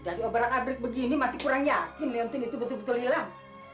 dari obrak abrik begini masih kurang yakin liang tin itu betul betul hilang